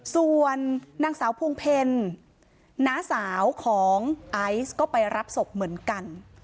ส่วนนางสาวพวงเพลน้าสาวของไอซ์ก็ไปรับศพเหมือนกัน